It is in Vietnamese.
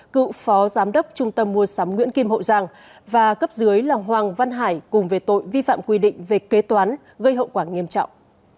cựu phó giám đốc trung tâm mua sắm nguyễn kim hậu giang và cấp dưới là hoàng văn hải cùng về tội vi phạm quy định về kế toán gây hậu quả nghiêm trọng